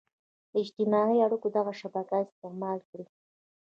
د اجتماعي اړيکو دغه شبکه استعمال کړي.